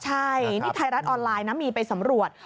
ใช่นี่ไทยรัฐออนไลน์นะมีไปสำรวจ